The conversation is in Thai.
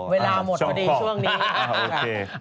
เวลาหมดพอดีช่วงนี้